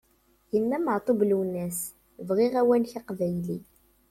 Yenna Meɛtub Lwennas: "bɣiɣ awanek aqbayli!"